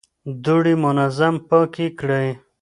دوړې منظم پاکې کړئ.